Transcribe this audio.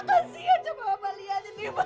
kasian cuma mali aja nih pak